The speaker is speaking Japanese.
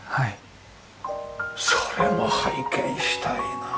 それも拝見したいな。